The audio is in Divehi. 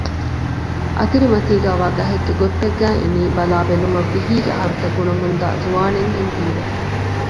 އަތިރިމަތީގައިވާ ގަހެއްގެ ގޮތްޕެއްގައި އިނީ ބަލާބެލުމަށް ވިހީގެ އަހަރުތައް ގުނަމުންދާ ޒުވާނެއްހެން ހީވެ